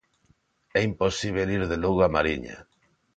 É imposíbel ir de Lugo á Mariña.